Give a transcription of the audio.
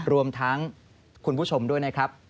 รวมทั้งคุณผู้ชมด้วยนะครับ